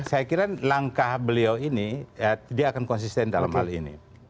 saya kira langkah beliau ini dia akan konsisten dalam hal ini